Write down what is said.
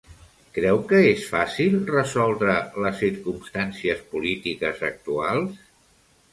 Creu que és fàcil resoldre les circumstàncies polítiques actuals?